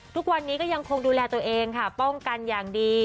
ทุกวันนี้ก็ยังคงดูแลตัวเองค่ะป้องกันอย่างดี